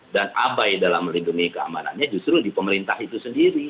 dan abai dalam melindungi keamanannya justru di pemerintah itu sendiri